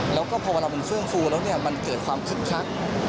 แล้วก็พอเวลามันเฟื่องฟูแล้วเนี่ยมันเกิดความคึกคัก